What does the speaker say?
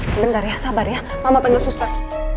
sebentar ya sabar ya mama pengen susur